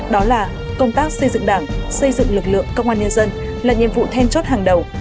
đó là công tác xây dựng đảng xây dựng lực lượng công an nhân dân là nhiệm vụ then chốt hàng đầu